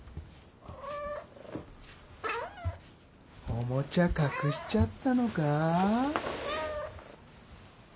おもちゃ隠しちゃったのか？